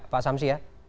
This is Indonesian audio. pak samsi ya